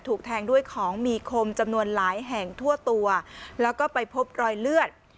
ถูกแทงด้วยของมีคมจำนวนหลายแห่งทั่วตัวแล้วก็ไปพบรอยเลือด